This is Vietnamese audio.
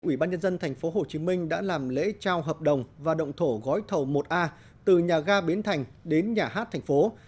ủy ban nhân dân tp hcm đã làm lễ trao hợp đồng và động thổ gói thầu một a từ nhà ga biến thành đến nhà hát thành phố